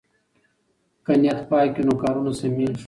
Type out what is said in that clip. که نیت پاک وي نو کارونه سمېږي.